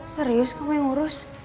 serius kamu yang urus